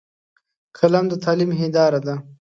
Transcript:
قلم د تعلیم هنداره ده